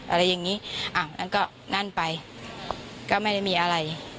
อะไรอย่างนี้อ้าวนั่นก็นั่นไปก็ไม่ได้มีอะไร